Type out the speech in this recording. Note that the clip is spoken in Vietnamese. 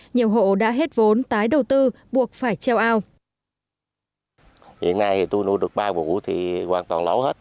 nhiều hộ đã hết vốn tái đầu tư buộc phải treo ao